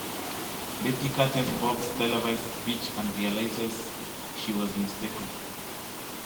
Betty catches Bob's televised pitch and realizes she was mistaken.